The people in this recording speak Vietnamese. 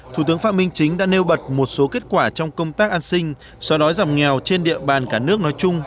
thủ tướng phạm minh chính đã nêu bật một số kết quả trong công tác an sinh xóa đói giảm nghèo trên địa bàn cả nước nói chung